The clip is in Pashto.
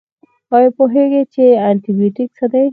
ایا پوهیږئ چې انټي بیوټیک څه دي؟